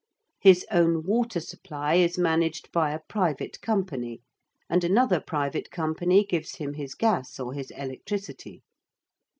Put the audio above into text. His own water supply is managed by a private company, and another private company gives him his gas or his electricity.